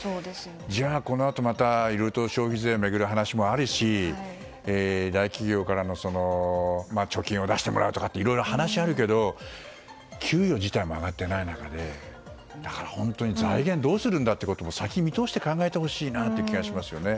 じゃあ、このあとまたいろいろ消費税を巡る話もあるし大企業からの貯金を出してもらうとかいろいろ話があるけど給与自体も上がっていない中で本当に財源をどうするんだと先を見通して考えてほしいという気がしますね。